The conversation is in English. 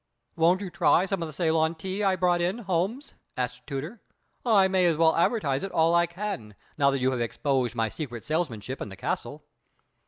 "Won't you try some of the Ceylon tea I brought in, Holmes?" asked Tooter. "I may as well advertise it all I can, now that you have exposed my secret salesmanship in the castle."